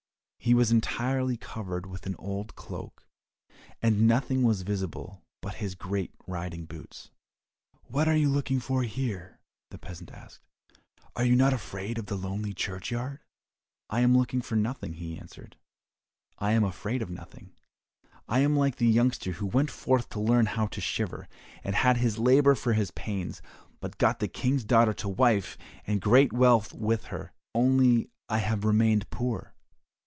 He was entirely covered with an old cloak, and nothing was visible but his great riding boots. "What are you looking for here?" the peasant asked. "Are you not afraid of the lonely churchyard?" "I am looking for nothing," he answered, "and I am afraid of nothing! I am like the youngster who went forth to learn how to shiver, and had his labour for his pains, but got the King's daughter to wife and great wealth with her, only I have remained poor.